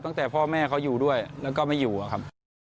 ตั้งแต่พ่อแม่เขาอยู่ด้วยแล้วก็ไม่อยู่อะครับ